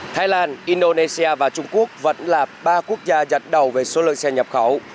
thái lan indonesia và trung quốc vẫn là ba quốc gia dẫn đầu về số lượng xe nhập khẩu